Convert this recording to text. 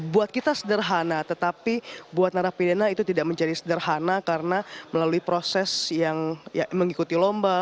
buat kita sederhana tetapi buat narapidana itu tidak menjadi sederhana karena melalui proses yang mengikuti lomba